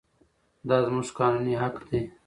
دا زموږ قانوني حق دی.